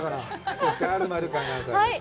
そして、東留伽アナウンサーです。